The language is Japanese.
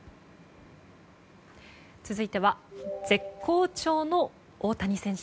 続いては絶好調の大谷選手。